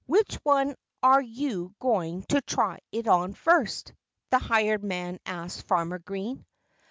"Which one are you going to try it on first?" the hired man asked Farmer Green.